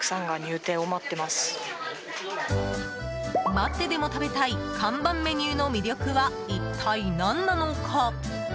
待ってでも食べたい看板メニューの魅力は一体何なのか？